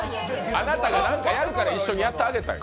あなたが何かやるから一緒にやってあげたんや。